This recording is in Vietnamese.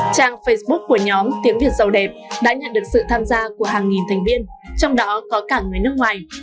trang facebook của nhóm tiếng việt giàu đẹp đã nhận được sự tham gia của hàng nghìn thành viên trong đó có cả người nước ngoài